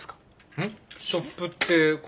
うん。